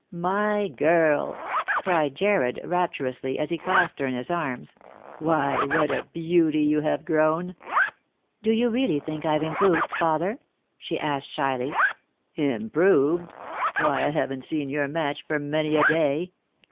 " My girl," cried Jarred rapturously, as he clasped her in his arms, " why, what a beauty you have grown !"" Do you really think I've improved, father P " she asked shyly. " Improved ! Why, I haven't seen your match for many a day.